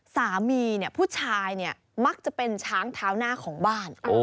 สามีผู้ชายมักจะเป็นช้างเท้าหน้าของบ้าน